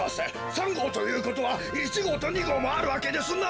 ３ごうということは１ごうと２ごうもあるわけですな！？